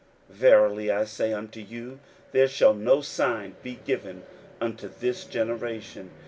verily I say unto you, There shall no sign be given unto this generation.